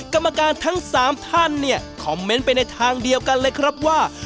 กรรมการทั้ง๓ท่านเนี่ยคอมเมนต์ไปในทางเดียวกันเลยครับว่า